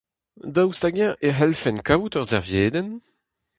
Daoust hag-eñ e c'hellfen kaout ur serviedenn ?